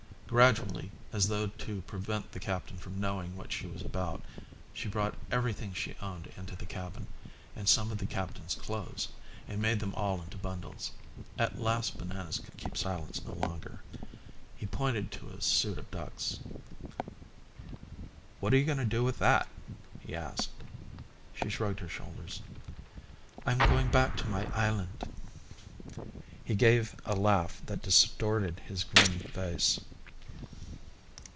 Gradually, as though to prevent the captain from knowing what she was about, she brought everything she owned into the cabin, and some of the captain's clothes, and made them all into bundles. At last Bananas could keep silence no longer. He pointed to a suit of ducks. "What are you going to do with that?" he asked. She shrugged her shoulders. "I'm going back to my island." He gave a laugh that distorted his grim face.